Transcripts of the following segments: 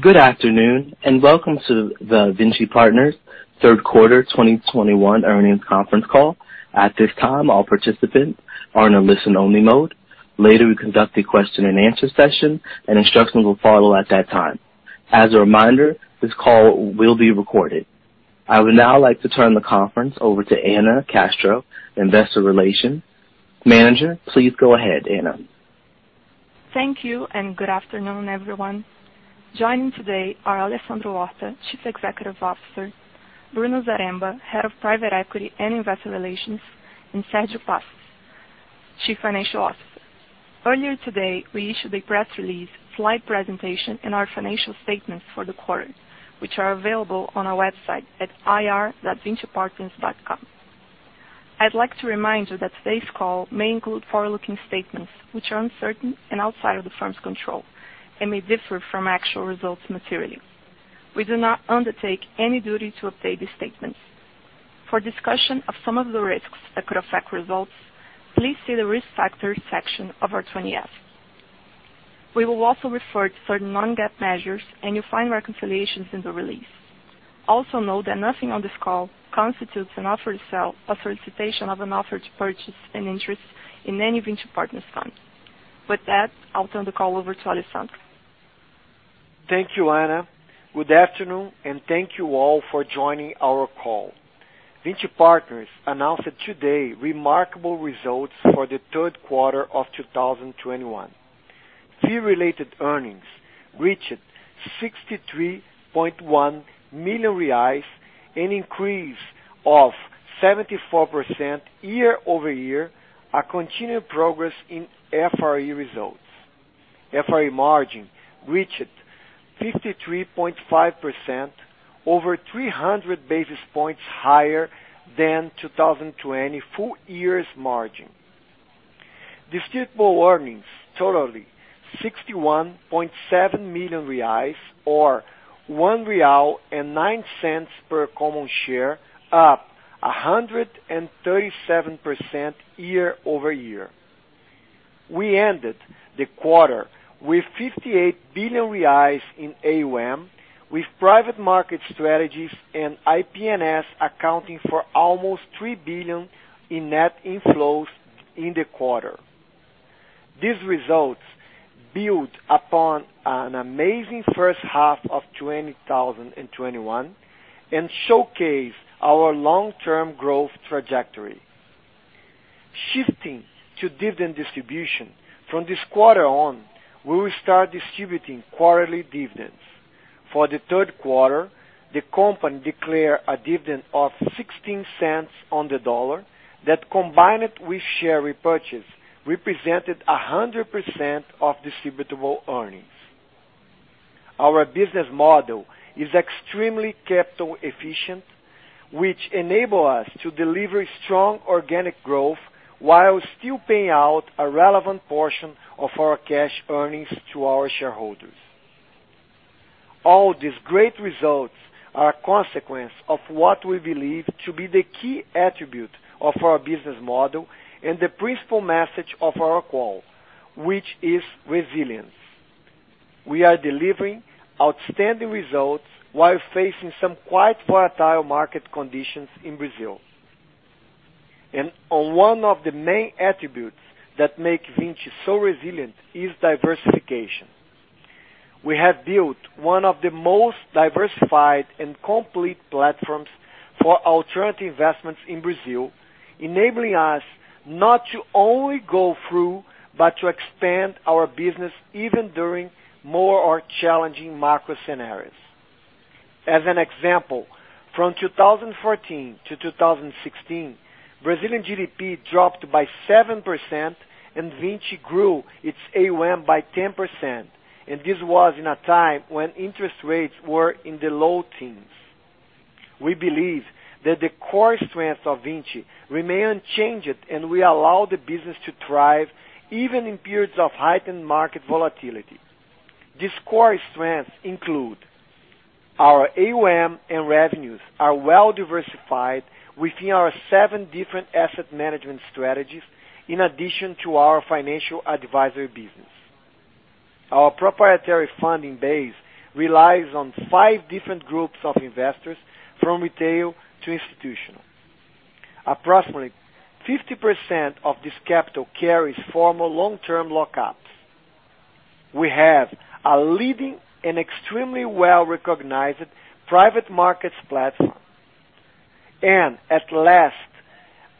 Good afternoon and welcome to the Vinci Partners third quarter 2021 earnings conference call. At this time, all participants are in a listen-only mode. Later, we will conduct a question-and-answer session, and instructions will follow at that time. As a reminder, this call will be recorded. I would now like to turn the conference over to Anna Castro, Investor Relations Manager. Please go ahead, Anna. Thank you and good afternoon, everyone. Joining today are Alessandro Horta, Chief Executive Officer; Bruno Zaremba, Head of Private Equity and Investor Relations; and Sergio Passos, Chief Financial Officer. Earlier today, we issued a press release, slide presentation, and our financial statements for the quarter, which are available on our website at ir.vincipartners.com. I'd like to remind you that today's call may include forward-looking statements, which are uncertain and outside of the firm's control and may differ materially from actual results. We do not undertake any duty to update these statements. For a discussion of some of the risks that could affect results, please see the Risk Factors section of our Form 20-F. We will also refer to certain non-GAAP measures, and you'll find reconciliations in the release. Also note that nothing on this call constitutes an offer to sell or a solicitation of an offer to purchase an interest in any Vinci Partners fund. With that, I'll turn the call over to Alessandro. Thank you, Ana. Good afternoon and thank you all for joining our call. Vinci Partners announced today remarkable results for the third quarter of 2021. Fee-related earnings reached 63.1 million reais, an increase of 74% year-over-year, a continued progress in FRE results. FRE margin reached 53.5%, over 300 basis points higher than 2020 full-year's margin. Distributable earnings totaling 61.7 million reais or 1.09 real per common share, up 137% year-over-year. We ended the quarter with 58 billion reais in AUM, with private market strategies and IPNS accounting for almost 3 billion in net inflows in the quarter. These results build upon an amazing first half of 2021 and showcase our long-term growth trajectory. Shifting to dividend distribution, from this quarter on, we will start distributing quarterly dividends. For the third quarter, the company declared a dividend of $0.16 that, combined with share repurchase, represented 100% of distributable earnings. Our business model is extremely capital efficient, which enables us to deliver strong organic growth while still paying out a relevant portion of our cash earnings to our shareholders. All these great results are a consequence of what we believe to be the key attribute of our business model and the principal message of our call, which is resilience. We are delivering outstanding results while facing some quite volatile market conditions in Brazil. One of the main attributes that make Vinci so resilient is diversification. We have built one of the most diversified and complete platforms for alternative investments in Brazil, enabling us not only to go through but also to expand our business even during more challenging macro scenarios. As an example, from 2014 to 2016, Brazilian GDP dropped by 7%, and Vinci grew its AUM by 10%, and this was at a time when interest rates were in the low teens. We believe that the core strengths of Vinci remain unchanged and will allow the business to thrive even in periods of heightened market volatility. These core strengths include our AUM and revenues, which are well diversified within our seven different asset management strategies, in addition to our financial advisory business. Our proprietary funding base relies on five different groups of investors, from retail to institutional. Approximately 50% of this capital carries formal long-term lockups. We have a leading and extremely well-recognized private markets platform. Lastly,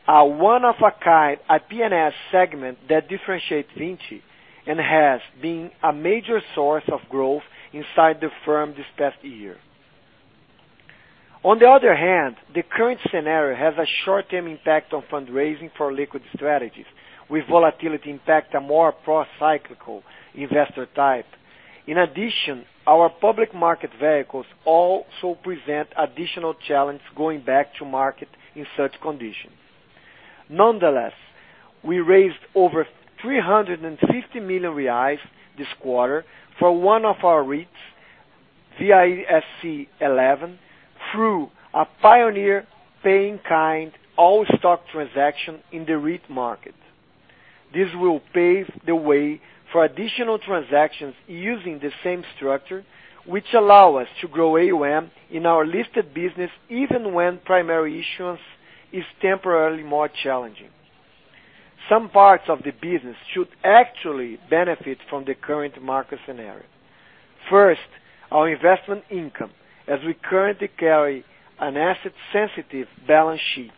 a one-of-a-kind IPNS segment differentiates Vinci and has been a major source of growth inside the firm this past year. On the other hand, the current scenario has a short-term impact on fundraising for liquid strategies, with volatility impacting a more pro-cyclical investor type. In addition, our public market vehicles also present an additional challenge going back to market in such conditions. Nonetheless, we raised over 350 million reais this quarter for one of our REITs, VISC11, through a pioneering pay-in-kind all-stock transaction in the REIT market. This will pave the way for additional transactions using the same structure, which allows us to grow AUM in our listed business even when primary issuance is temporarily more challenging. Some parts of the business should actually benefit from the current market scenario. First, our investment income, as we currently carry an asset-sensitive balance sheet.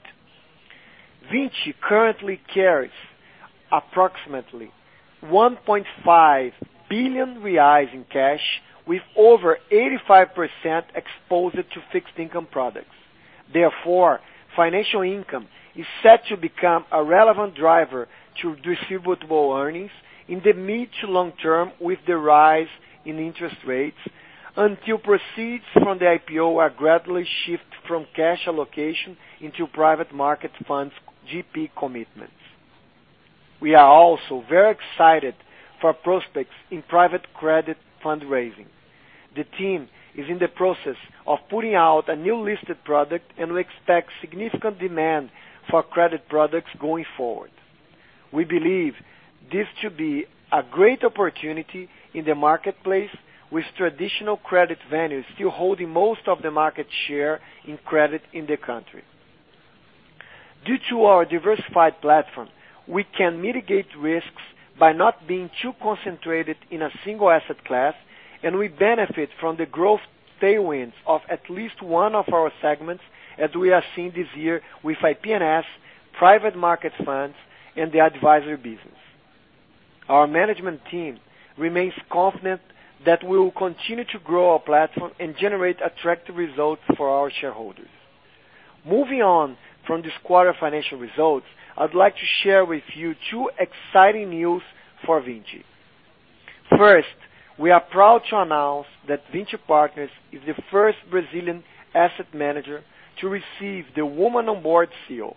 Vinci currently has approximately 1.5 billion reais in cash, with over 85% exposed to fixed-income products. Therefore, financial income is set to become a relevant driver for distributable earnings in the mid to long term with the rise in interest rates until proceeds from the IPO are gradually shifted from cash allocation into private market funds GP commitments. We are also very excited about prospects in private credit fundraising. The team is in the process of putting out a new listed product, and we expect significant demand for credit products going forward. We believe this to be a great opportunity in the marketplace, with traditional credit vendors still holding most of the market share in credit in the country. Due to our diversified platform, we can mitigate risks by not being overly concentrated in a single asset class, and we benefit from the growth tailwinds of at least one of our segments, as we have seen this year with IPNS, private market funds, and the advisory business. Our management team remains confident that we will continue to grow our platform and generate attractive results for our shareholders. Moving on from this quarter's financial results, I would like to share with you two exciting pieces of news for Vinci. First, we are proud to announce that Vinci Partners is the first Brazilian asset manager to receive the Women on Board seal.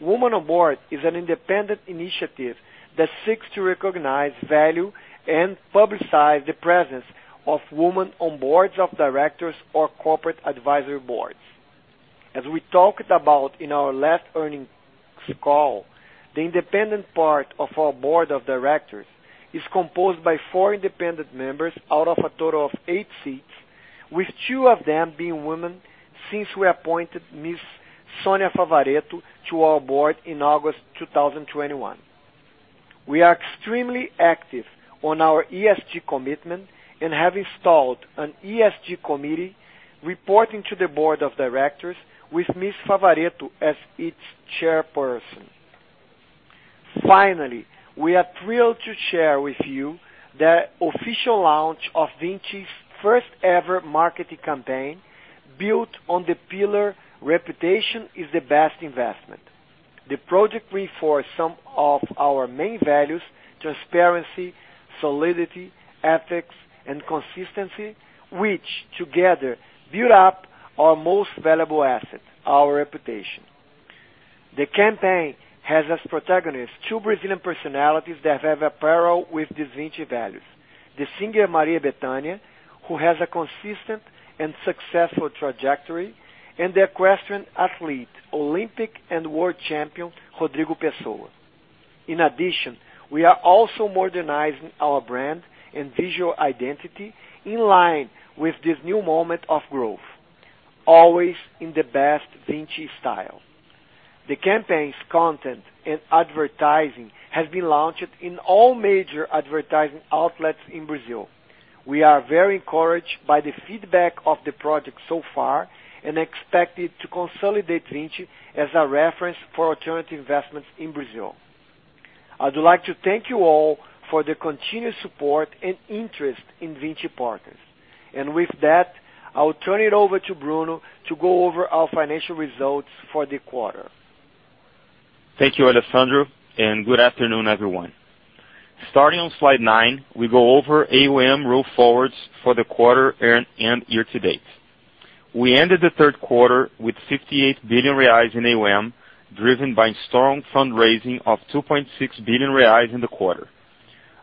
Women on Board is an independent initiative that seeks to recognize, value, and publicize the presence of women on boards of directors or corporate advisory boards. As we discussed in our last earnings call, the independent part of our board of directors is composed of four independent members out of a total of eight seats, with two of them being women since we appointed Ms. Sonia Favaretto to our board in August 2021. We are extremely active in our ESG commitment and have installed an ESG committee reporting to the board of directors with Ms. Favaretto as its chairperson. Finally, we are thrilled to share with you the official launch of Vinci's first-ever marketing campaign, built on the pillar, "Reputation is the best investment." The project reinforced some of our main values: transparency, solidity, ethics, and consistency, which together build up our most valuable asset, our reputation. The campaign features two Brazilian personalities who parallel these Vinci values. The singer Maria Bethânia, who has a consistent and successful trajectory, and the equestrian athlete, Olympic and world champion, Rodrigo Pessoa, are featured. In addition, we are also modernizing our brand and visual identity in line with this new moment of growth, always in the best Vinci style. The campaign's content and advertising have been launched in all major advertising outlets in Brazil. We are very encouraged by the feedback on the project so far and expect it to consolidate Vinci as a reference for alternative investments in Brazil. I would like to thank you all for your continuous support and interest in Vinci Partners. With that, I will turn it over to Bruno to go over our financial results for the quarter. Thank you, Alessandro, and good afternoon, everyone. Starting on slide 9, we go over AUM rollforwards for the quarter and year-to-date. We ended the third quarter with 58 billion reais in AUM, driven by strong fundraising of 2.6 billion reais in the quarter.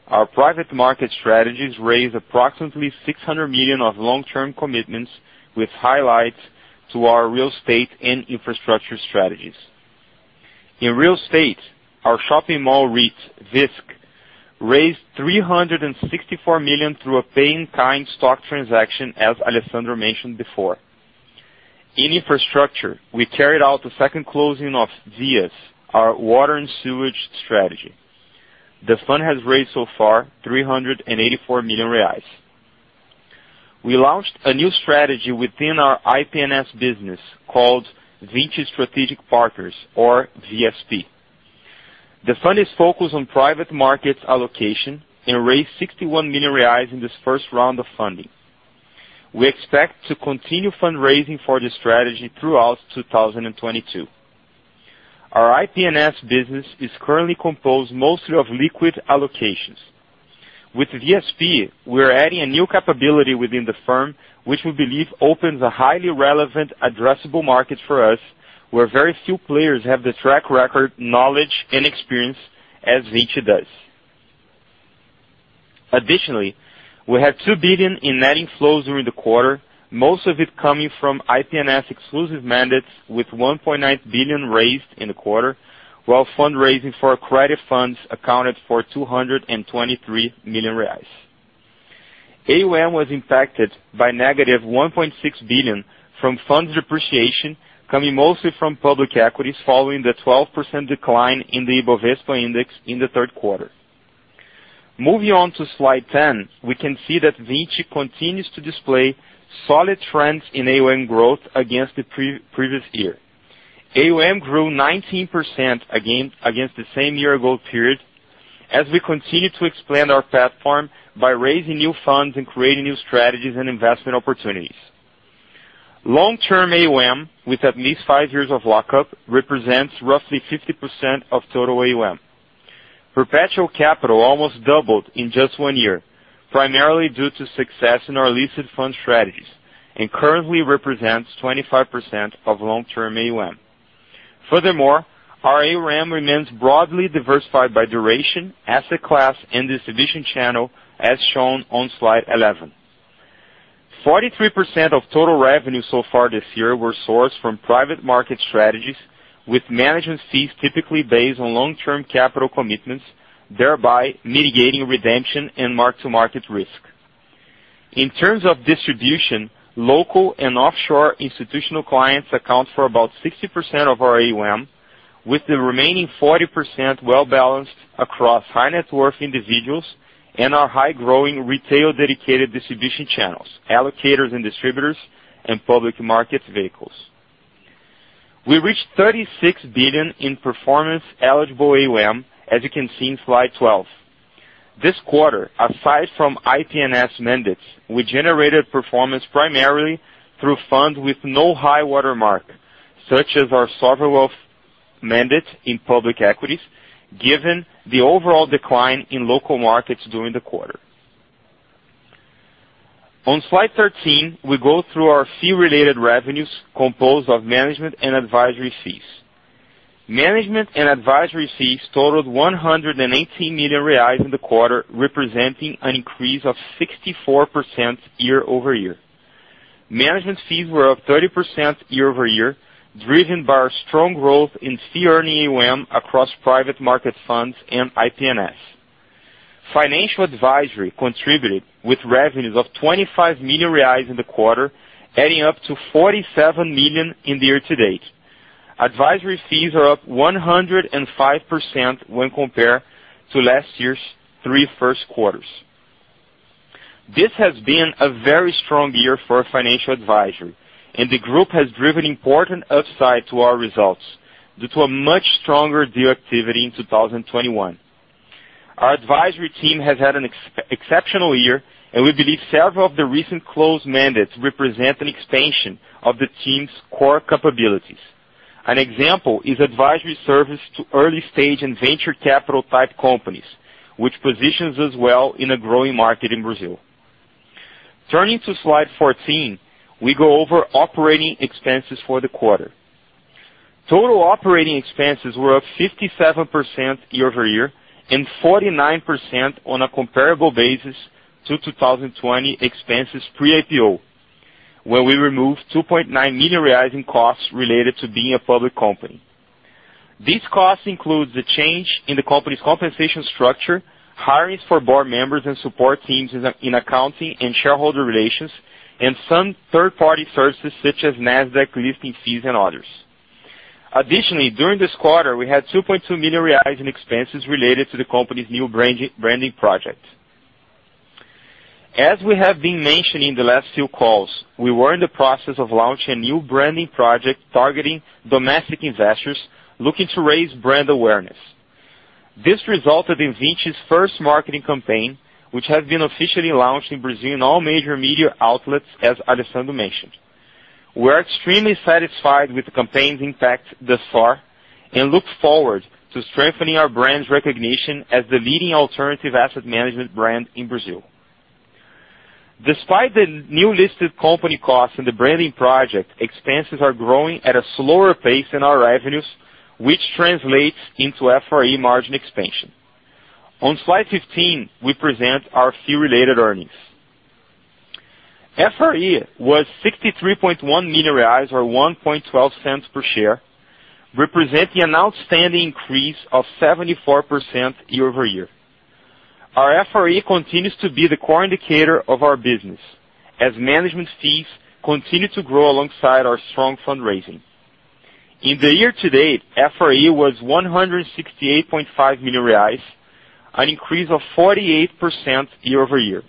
Our private market strategies raised approximately 600 million of long-term commitments, with highlights to our real estate and infrastructure strategies. In real estate, our shopping mall REIT, VISC, raised 364 million through a pay-in-kind stock transaction, as Alessandro mentioned before. In infrastructure, we carried out the second closing of VIAS, our water and sewage strategy. The fund has raised so far 384 million reais. The fund is focused on private market allocation and raised 61 million reais in this first round of funding. We expect to continue fundraising for this strategy throughout 2022. Our IPNS business is currently composed mostly of liquid allocations. With VSP, we are adding a new capability within the firm, which we believe opens a highly relevant addressable market for us, where very few players have the track record, knowledge, and experience that Vinci does. Additionally, we had 2 billion in net inflows during the quarter, most of it coming from IPNS exclusive mandates, with 1.9 billion raised in the quarter, while fundraising for credit funds accounted for 223 million reais. AUM was impacted by a negative 1.6 billion from funds depreciation, coming mostly from public equities following the 12% decline in the Ibovespa index in the third quarter. Moving on to slide 10, we can see that Vinci continues to display solid trends in AUM growth compared to the previous year. AUM grew 19% compared to the same year-ago period as we continue to expand our platform by raising new funds and creating new strategies and investment opportunities. Long-term AUM, with at least 5 years of lockup, represents roughly 50% of total AUM. Perpetual capital almost doubled in just 1 year, primarily due to success in our listed fund strategies and currently represents 25% of long-term AUM. Furthermore, our AUM remains broadly diversified by duration, asset class, and distribution channel, as shown on slide 11. 43% of total revenue so far this year was sourced from private market strategies with management fees typically based on long-term capital commitments, thereby mitigating redemption and mark-to-market risk. In terms of distribution, local and offshore institutional clients account for about 60% of our AUM, with the remaining 40% well-balanced across high-net-worth individuals and our high-growing retail dedicated distribution channels, allocators and distributors, and public market vehicles. We reached 36 billion in performance-eligible AUM, as you can see in slide 12. This quarter, aside from IPNS mandates, we generated performance primarily through funds with no high water mark, such as our sovereign wealth mandate in public equities, given the overall decline in local markets during the quarter. On slide 13, we go through our fee-related revenues composed of management and advisory fees. Management and advisory fees totaled 118 million reais in the quarter, representing an increase of 64% year-over-year. Management fees were up 30% year-over-year, driven by our strong growth in fee-earning AUM across private market funds and IPNS. Financial advisory contributed with revenues of 25 million reais in the quarter, adding up to 47 million year-to-date. Advisory fees are up 105% compared to last year's first three quarters. This has been a very strong year for our financial advisory, and the group has driven important upside to our results due to much stronger deal activity in 2021. Our advisory team has had an exceptional year, and we believe several of the recently closed mandates represent an expansion of the team's core capabilities. An example is advisory service to early-stage and venture capital-type companies, which positions us well in a growing market in Brazil. Turning to slide 14, we go over operating expenses for the quarter. Total operating expenses were up 57% year-over-year and 49% on a comparable basis to 2020 expenses pre-IPO, where we removed 2.9 million in costs related to being a public company. These costs include the change in the company's compensation structure, hirings for board members and support teams in accounting and shareholder relations, and some third-party services such as Nasdaq listing fees and others. Additionally, during this quarter, we had 2.2 million reais in expenses related to the company's new branding project. As we have been mentioning in the last few calls, we were in the process of launching a new branding project targeting domestic investors looking to raise brand awareness. This resulted in Vinci's first marketing campaign, which has been officially launched in Brazil in all major media outlets, as Alessandro mentioned. We are extremely satisfied with the campaign's impact thus far and look forward to strengthening our brand's recognition as the leading alternative asset management brand in Brazil. Despite the new listed company costs and the branding project, expenses are growing at a slower pace than our revenues, which translates into FRE margin expansion. On slide 15, we present our fee-related earnings. FRE was 63.1 million reais or $0.0112 per share, representing an outstanding increase of 74% year-over-year. Our FRE continues to be the core indicator of our business as management fees continue to grow alongside our strong fundraising. In the year to date, FRE was 168.5 million reais, an increase of 48% year-over-year.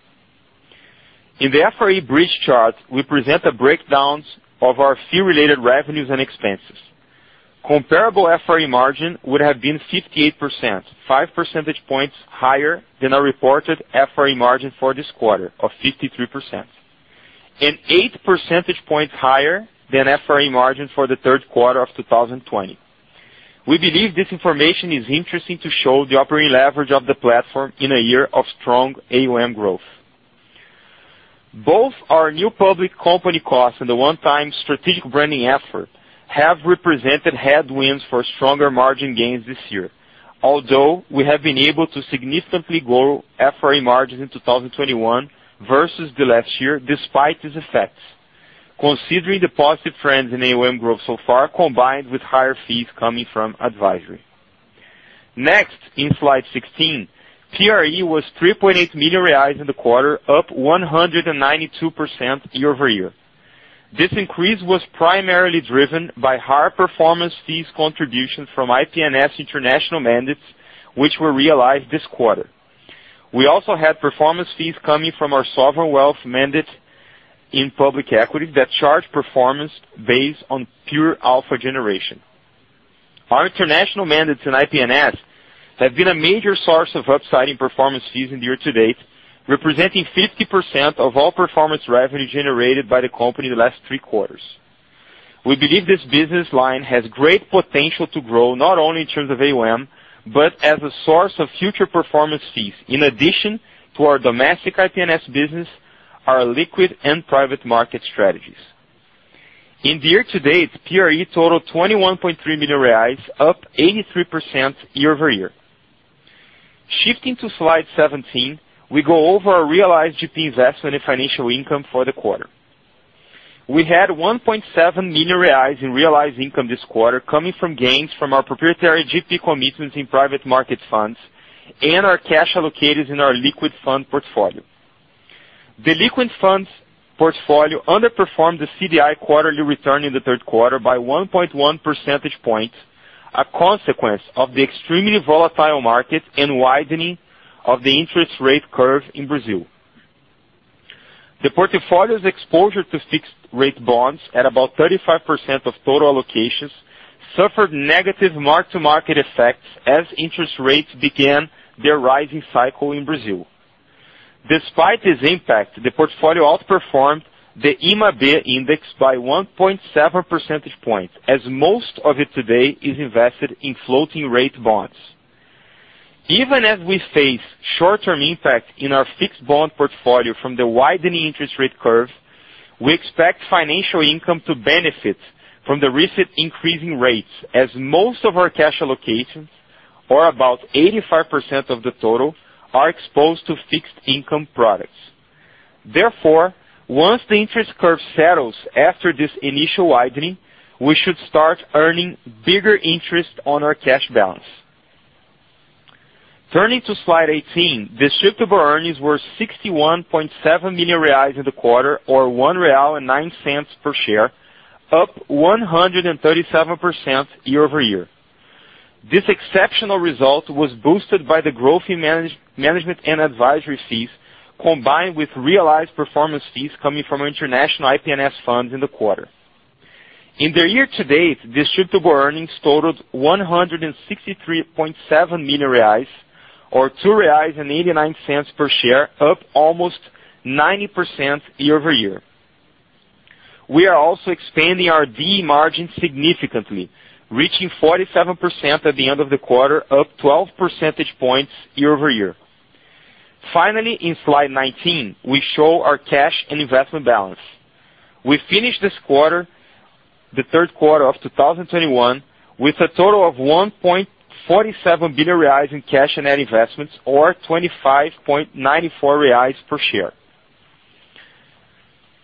In the FRE bridge chart, we present the breakdowns of our fee-related revenues and expenses. Comparable FRE margin would have been 58%, 5 percentage points higher than our reported FRE margin for this quarter of 53%, and 8 percentage points higher than the FRE margin for the third quarter of 2020. We believe this information is interesting to show the operating leverage of the platform in a year of strong AUM growth. Both our new public company costs and the one-time strategic branding effort have represented headwinds for stronger margin gains this year. Although we have been able to significantly grow FRE margins in 2021 versus last year, despite these effects, considering the positive trends in AUM growth so far, combined with higher fees coming from advisory, next, in slide 16, PRE was 3.8 million reais in the quarter, up 192% year-over-year. This increase was primarily driven by higher performance fee contributions from IPNS international mandates, which were realized this quarter. We also had performance fees coming from our sovereign wealth mandate in public equity that charged performance based on pure alpha generation. Our international mandates in IPNS have been a major source of upside in performance fees year-to-date, representing 50% of all performance revenue generated by the company in the last three quarters. We believe this business line has great potential to grow not only in terms of AUM but also as a source of future performance fees, in addition to our domestic IPNS business, and our liquid and private market strategies. Year to date, PRE totaled 21.3 million reais, up 83% year-over-year. Shifting to slide 17, we will go over our realized GP investment and financial income for the quarter. We had 1.7 million reais in realized income this quarter, coming from gains from our proprietary GP commitments in private market funds and our cash allocated in our liquid fund portfolio. The liquid funds portfolio underperformed the CDI quarterly return in the third quarter by 1.1 percentage points, a consequence of the extremely volatile market and widening of the interest rate curve in Brazil. The portfolio's exposure to fixed-rate bonds, at about 35% of total allocations, suffered negative mark-to-market effects as interest rates began their rising cycle in Brazil. Despite this impact, the portfolio outperformed the IMAB index by 1.7 percentage points, as most of it today is invested in floating-rate bonds. Even as we face short-term impact in our fixed bond portfolio from the widening interest rate curve, we expect financial income to benefit from the recent increase in rates, as most of our cash allocations, or about 85% of the total, are exposed to fixed-income products. Therefore, once the interest curve settles after this initial widening, we should start earning bigger interest on our cash balance. Turning to slide 18, distributable earnings were 61.7 million reais in the quarter, or 1.09 real per share, up 137% year-over-year. This exceptional result was boosted by the growth in management and advisory fees, combined with realized performance fees coming from international IPNS funds in the quarter. Year to date, distributable earnings totaled 163.7 million reais, or 2.89 reais per share, up almost 90% year-over-year. We are also expanding our DE margin significantly, reaching 47% at the end of the quarter, up 12 percentage points year-over-year. Finally, on slide 19, we show our cash and investment balance. We finished this quarter, the third quarter of 2021, with a total of 1.47 billion reais in cash and net investments, or 25.94 reais per share.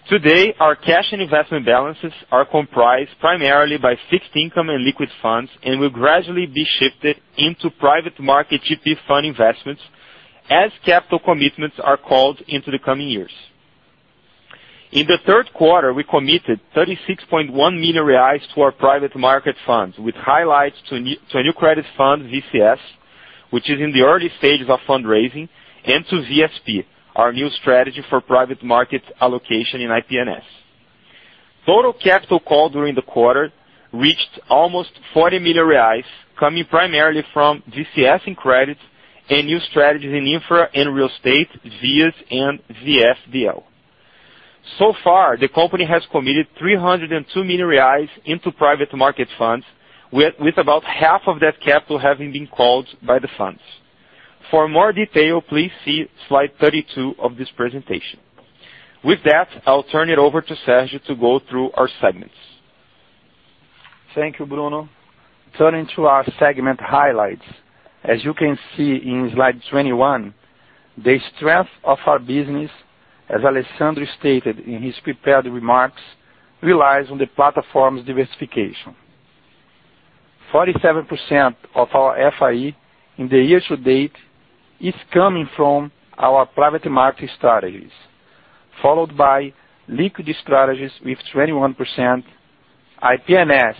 Today, our cash and investment balances are comprised primarily of fixed income and liquid funds and will gradually be shifted into private market GP fund investments as capital commitments are called in the coming years. In the third quarter, we committed 36.1 million reais to our private market funds, with highlights to a new credit fund, VICC, which is in the early stages of fundraising, and to VSP, our new strategy for private market allocation in IPNS. Total capital called during the quarter reached almost 40 million reais, coming primarily from GCS in credit and new strategies in infra and real estate, VIAS and VFDL. So far, the company has committed 302 million reais to private market funds, with about half of that capital having been called by the funds. For more detail, please see slide 32 of this presentation. With that, I'll turn it over to Sergio to go through our segments. Thank you, Bruno. Turning to our segment highlights, as you can see in slide 21, the strength of our business, as Alessandro stated in his prepared remarks, relies on the platform's diversification. 47% of our FIE year-to-date is coming from our private market strategies, followed by liquidity strategies with 21%, IPNS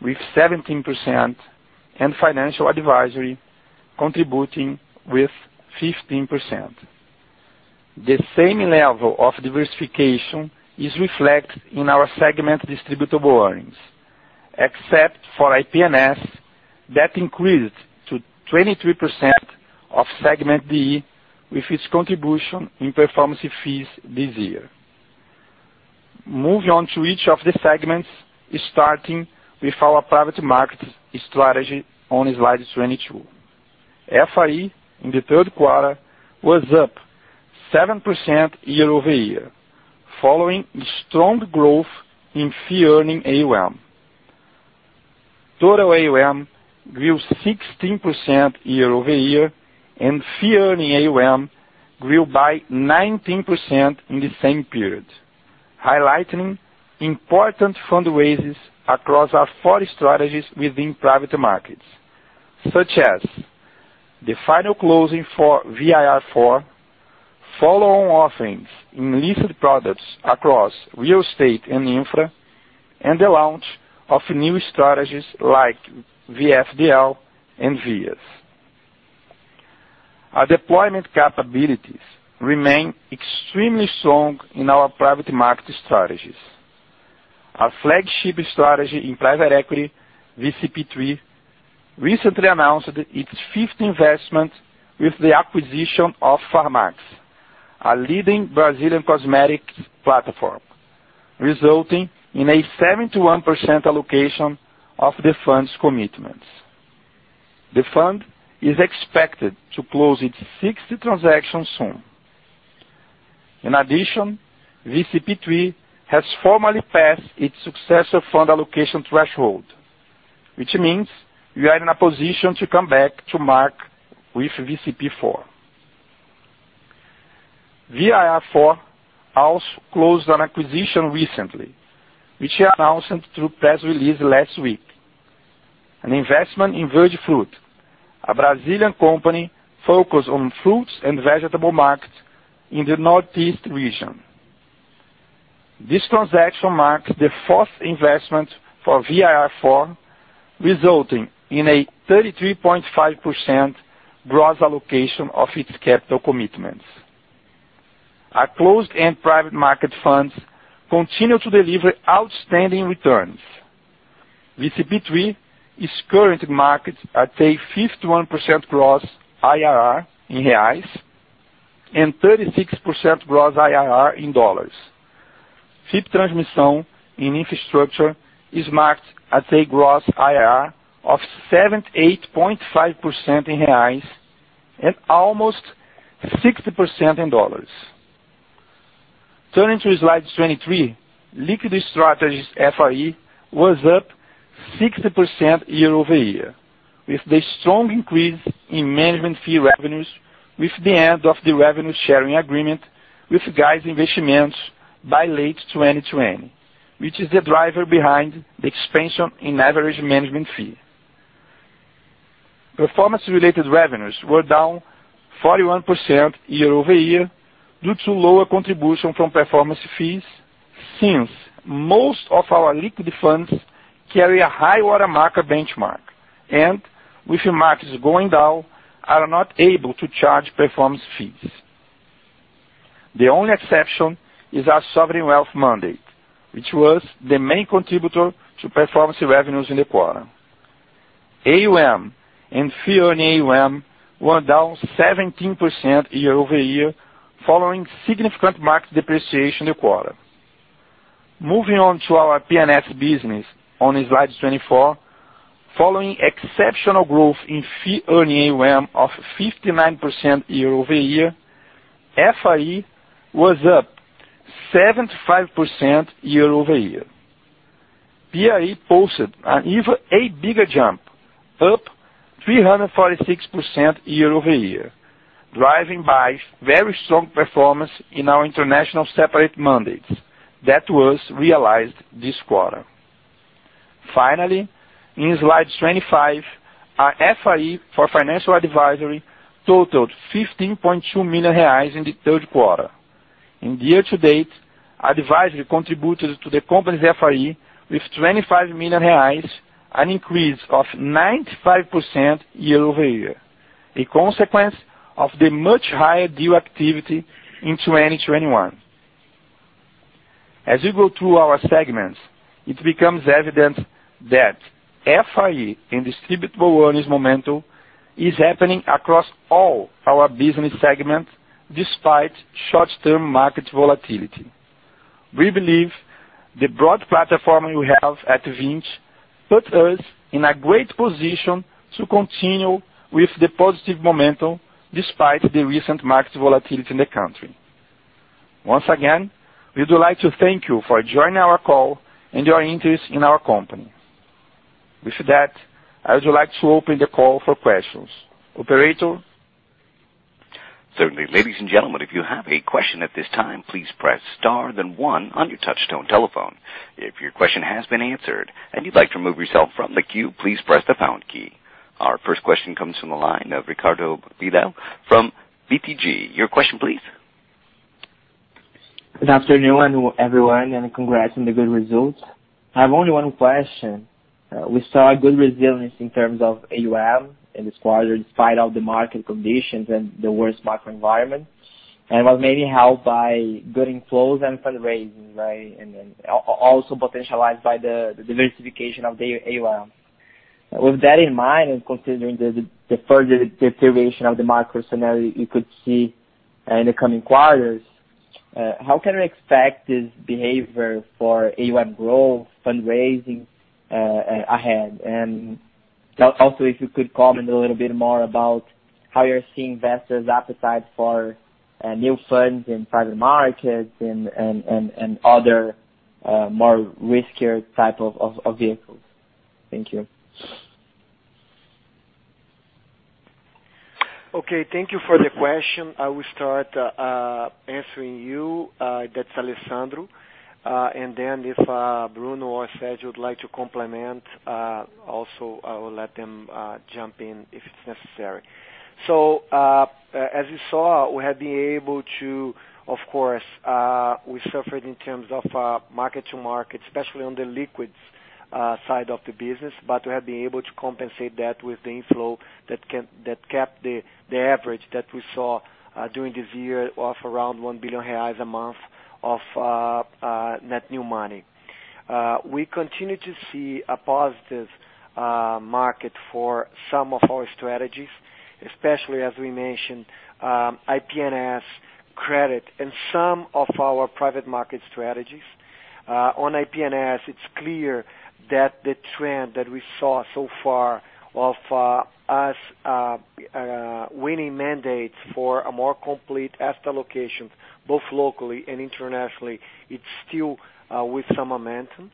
with 17%, and financial advisory contributing 15%. The same level of diversification is reflected in our segment distributable earnings, except for IPNS that increased to 23% of segment DE with its contribution in performance fees this year. Moving on to each of the segments, starting with our private market strategy on slide 22, FIE in the third quarter was up 7% year-over-year, following strong growth in fee-earning AUM. Total AUM grew 16% year-over-year, and fee-earning AUM grew by 19% in the same period, highlighting important fundraises across our four strategies within private markets, such as the final closing for VIR IV, follow-on offerings in listed products across real estate and infra, and the launch of new strategies like VFDL and VS. Our deployment capabilities remain extremely strong in our private market strategies. Our flagship strategy in private equity, VCP III, recently announced its fifth investment with the acquisition of Farmax, a leading Brazilian cosmetic platform, resulting in a 71% allocation of the fund's commitments. The fund is expected to close its sixth transaction soon. In addition, VCP III has formally passed its successor fund allocation threshold, which means we are in a position to come back to market with VCP IV. VIR IV also closed an acquisition recently, which we announced through a press release last week. An investment in Verdfrut, a Brazilian company focused on the fruit and vegetable market in the Northeast region. This transaction marks the fourth investment for VIR IV, resulting in a 33.5% gross allocation of its capital commitments. Our closed-end private market funds continue to deliver outstanding returns. VCP III is currently marked at a 51% gross IRR in reais and 36% gross IRR in dollars. FIP Infra Transmissão in infrastructure is marked at a gross IRR of 78.5% in reais and almost 60% in dollars. Turning to slide 23. Liquid strategies FIE was up 60% year-over-year, with a strong increase in management fee revenues with the end of the revenue-sharing agreement with Guias Investimentos by late 2020, which is the driver behind the expansion in average management fee. Performance-related revenues were down 41% year-over-year due to a lower contribution from performance fees since most of our liquid funds carry a high-water mark benchmark, and with markets going down, are not able to charge performance fees. The only exception is our sovereign wealth mandate, which was the main contributor to performance revenues in the quarter. AUM and fee on AUM were down 17% year-over-year following significant market depreciation in the quarter. Moving on to our P&S business on slide 24. Following exceptional growth in fee-earning AUM of 59% year-over-year, FIE was up 75% year-over-year. PIA posted an even bigger jump, up 346% year-over-year, driven by very strong performance in our international separate mandates that was realized this quarter. Finally, on slide 25, our FIE for financial advisory totaled 15.2 million reais in the third quarter. In the year to date, advisory contributed BRL 25 million to the company's FRE, an increase of 95% year-over-year, a consequence of the much higher deal activity in 2021. As we go through our segments, it becomes evident that FRE and distributable earnings momentum is happening across all our business segments despite short-term market volatility. We believe the broad platform we have at Vinci puts us in a great position to continue with the positive momentum despite the recent market volatility in the country. Once again, we would like to thank you for joining our call and for your interest in our company. With that, I would like to open the call for questions. Operator? Certainly. Ladies and gentlemen, if you have a question at this time, please press star then one on your touchtone telephone. If your question has been answered and you'd like to remove yourself from the queue, please press the pound key. Our first question comes from the line of Ricardo Buchpiguel from BTG. Your question, please. Good afternoon, everyone, and congratulations on the good results. I have only one question. We saw good resilience in terms of AUM this quarter despite all the market conditions and the worse macro environment, and this was maybe helped by good inflows and fundraising, right? And then also, it was potentially boosted by the diversification of the AUM. With that in mind, and considering the further deterioration of the market scenario you could see in the coming quarters, how can we expect this behavior for AUM growth and fundraising ahead? And also, if you could comment a little bit more about how you're seeing investors' appetite for new funds in private markets and other riskier types of vehicles. Thank you. Thank you for the question. I will start answering you; this is Alessandro Horta. Then, if Bruno Zaremba or Sergio Passos would like to complement, I will let them jump in if it's necessary. As you saw, we have been able to—of course, we suffered in terms of mark-to-market, especially on the liquid side of the business—but we have been able to compensate that with the inflow that kept the average we saw during this year of around 1 billion reais a month of net new money. We continue to see a positive market for some of our strategies, especially, as we mentioned, IPNS credit and some of our private market strategies. On IPNS, it's clear that the trend we've seen so far of us winning mandates for a more complete asset allocation, both locally and internationally, still has some momentum.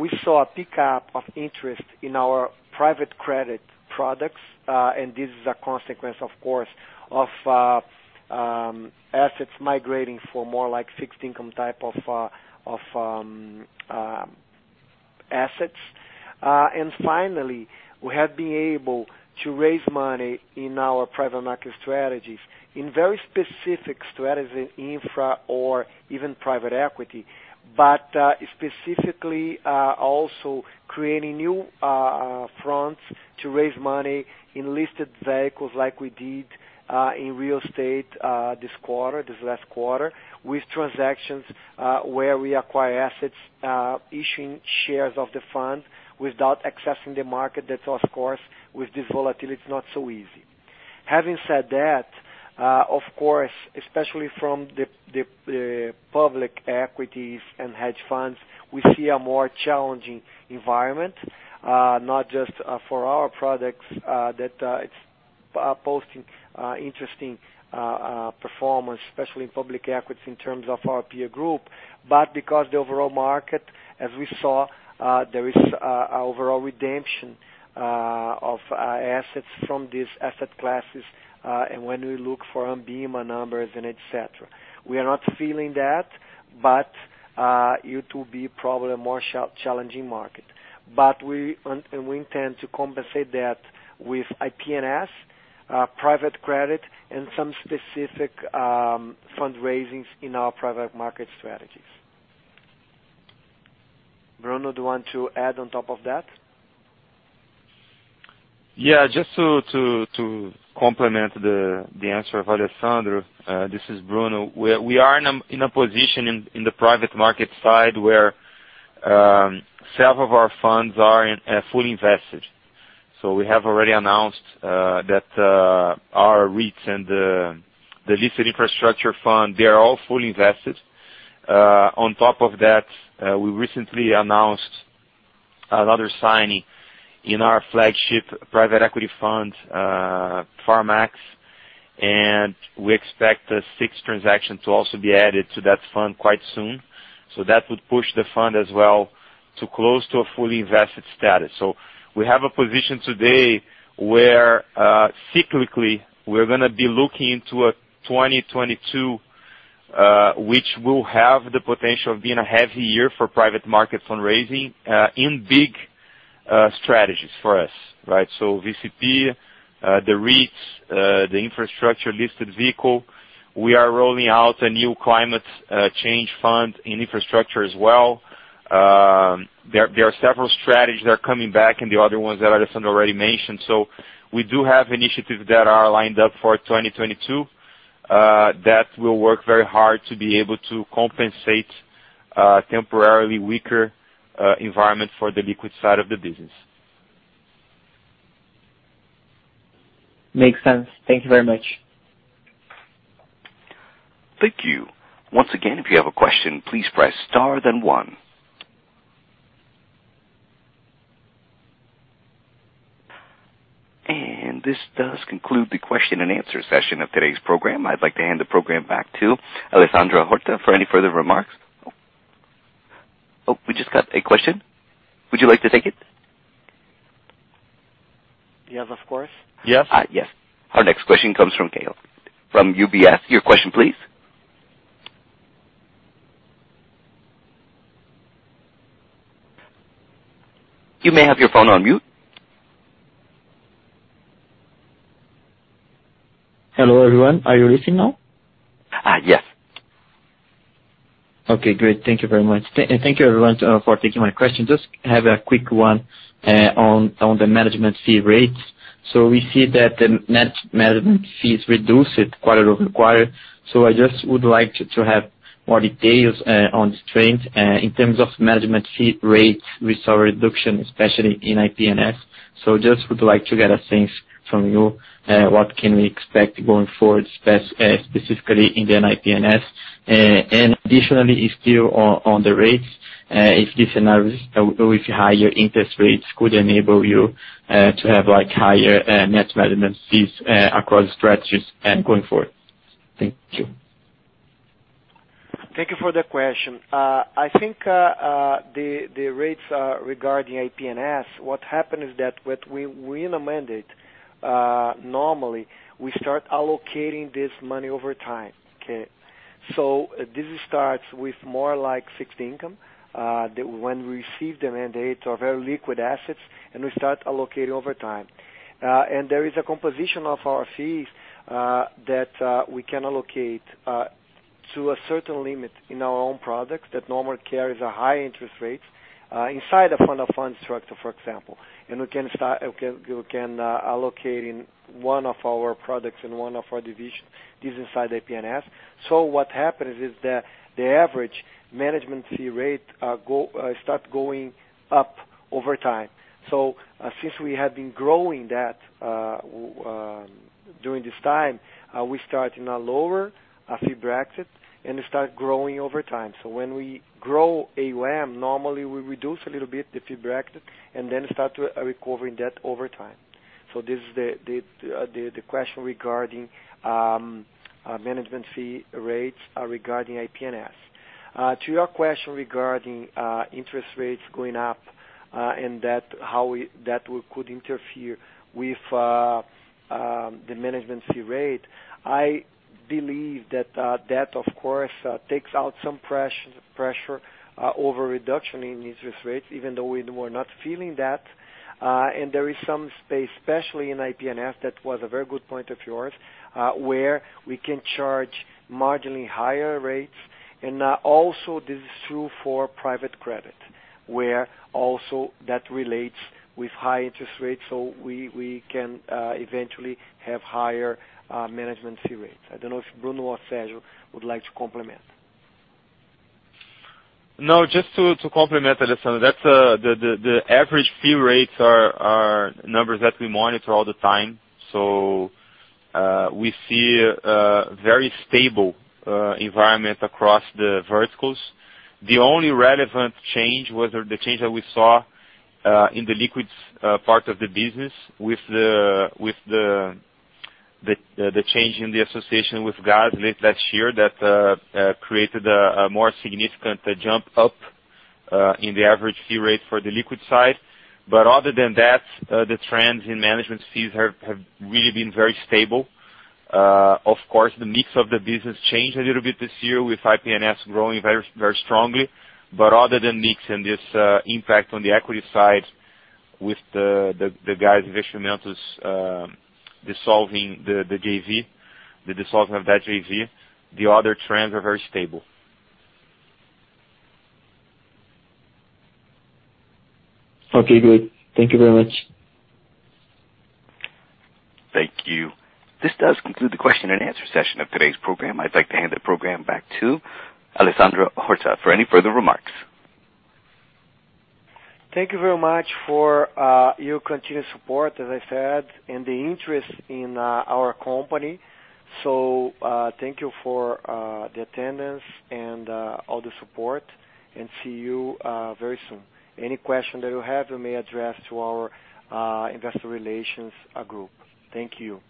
We saw a pickup of interest in our private credit products, and this is a consequence, of course, of assets migrating to more fixed-income-type assets. Finally, we have been able to raise money in our private market strategies, specifically in infra or even private equity. We're also creating new avenues to raise money in listed vehicles, like we did in real estate last quarter, with transactions where we acquire assets by issuing shares of the fund without accessing the market. That's, of course, with this volatility, it's not so easy. Having said that, especially from public equities and hedge funds, we see a more challenging environment, not just for our products that are posting interesting performance, especially in public equities in terms of our peer group. Because the overall market, as we saw, shows an overall redemption of assets from these asset classes, and when we look at ANBIMA numbers, etc., we are not feeling that. But it will probably be a more challenging market, and we intend to compensate for that with IPNS, private credit, and some specific fundraisings in our private market strategies. Bruno, do you want to add to that? Yes, just to complement Alessandro's answer, this is Bruno. We are in a position on the private market side where several of our funds are fully invested. We have already announced that our REITs and the listed infrastructure fund are all fully invested. On top of that, we recently announced another signing in our flagship private equity fund, Farmax, and we expect a sixth transaction to also be added to that fund quite soon. That would push the fund as well to close to a fully invested status. We have a position today where, cyclically, we're going to be looking into 2022, which will have the potential of being a heavy year for private market fundraising in big strategies for us, right? VCP, the REITs, the infrastructure-listed vehicle, we are rolling out a new climate change fund in infrastructure as well. There are several strategies that are coming back and the other ones that Alessandro already mentioned. We do have initiatives that are lined up for 2022 that will work very hard to be able to compensate for a temporarily weaker environment for the liquid side of the business. Makes sense. Thank you very much. Thank you. Once again, if you have a question, please press star then one. This concludes the question and answer session of today's program. I'd like to hand the program back to Alessandro Horta for any further remarks. Oh, we just got a question. Would you like to take it? Yes, of course. Yes. Yes. Our next question comes from Kaio Prato from UBS. Your question, please. You may have your phone on mute. Hello, everyone. Are you listening now? Yes. Okay, great. Thank you very much. And thank you, everyone, for taking my question. I just have a quick one on the management fee rates. We see that the net management fees reduced quarter-over-quarter. I would just like to have more details on this trend in terms of management fee rates. We saw a reduction, especially in IPNS. I would just like to get a sense from you what we can expect going forward, specifically in the IPNS. And additionally, still on the rates, if this analysis with higher interest rates could enable you to have higher net management fees across strategies going forward. Thank you. Thank you for the question. I think regarding IPNS rates, what happened is that when we win a mandate, we normally start allocating this money over time, okay? This starts more like fixed income, where when we receive the mandate for our liquid assets, we start allocating over time. There is a component of our fees that we can allocate to a certain limit in our own products, which normally carry high interest rates inside a fund-of-funds structure, for example. We can allocate this within IPNS, in one of our products, in one of our divisions. What happens is that the average management fee rate starts going up over time. Since we have been growing during this time, we start in a lower fee bracket and grow over time. When we grow AUM, we normally reduce the fee bracket a little bit and then start recovering that over time. This is the question regarding management fee rates for IPNS. Regarding your question about interest rates going up and how that could interfere with the management fee rate, I believe that, of course, takes some pressure off the reduction in interest rates, even though we were not feeling that. There is some space, especially in IPNS, which was a very good point of yours, where we can charge marginally higher rates. This is also true for private credit, which also relates to high interest rates, so we can eventually have higher management fee rates. I don't know if Bruno or Sergio would like to comment. No, just to complement Alessandro, the average fee rates are numbers that we monitor all the time. We see a very stable environment across the verticals. The only relevant change was the change that we saw in the liquids part of the business with the change in the association with GAS late last year that created a more significant jump in the average fee rate for the liquid side. Other than that, the trends in management fees have really been very stable. Of course, the mix of the business changed a little bit this year with IPNS growing very strongly. Other than the mix and its impact on the equity side with Guias Investimentos dissolving the JV, the other trends are very stable. Okay, good. Thank you very much. Thank you. This concludes the question and answer session of today's program. I'd like to hand the program back to Alessandro Horta for any further remarks. Thank you very much for your continued support, as I said, and your interest in our company. Thank you for your attendance and all your support, and see you very soon. Any questions that you have, you may address to our investor relations group. Thank you.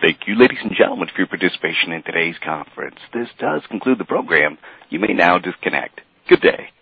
Thank you, ladies and gentlemen, for your participation in today's conference. This concludes the program. You may now disconnect. Good day.